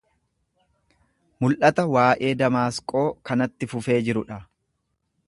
Mul’ata waa’ee Damaasqoo kanatti fufee jiru dha.